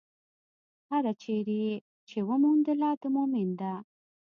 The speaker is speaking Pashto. هره چېرې يې چې وموندله، د مؤمن ده.